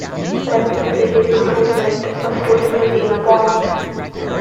For every grade improvement a student will gain a point.